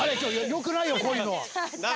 よくないな。